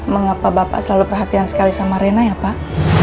mengapa bapak selalu perhatian sekali sama rena ya pak